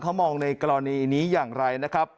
เขามองในกรณีนี้อย่างไรนะครับ